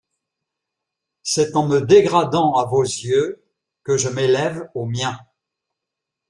C’est en me dégradant à vos yeux que je m’élève aux miens.